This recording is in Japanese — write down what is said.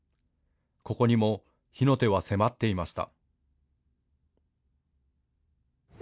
ここにも火の手は迫っていました。